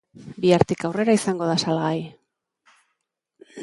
Bihartik aurrera izango da salgai.